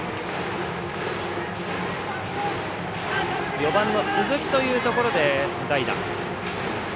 ４番の鈴木というとこで代打。